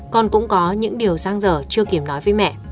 con cũng có những điều sang dở chưa kịp